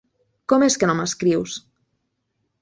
Com és que no m'escrius?